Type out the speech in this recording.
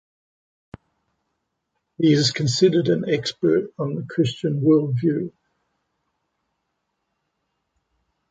He is considered an expert on the Christian Worldview.